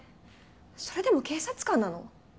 それでも警察官なの！？